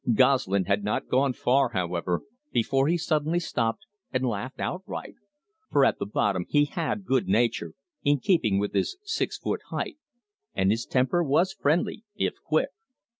Gosselin had not gone far, however, before he suddenly stopped and laughed outright, for at the bottom he had great good nature, in keeping with his "six foot" height, and his temper was friendly if quick.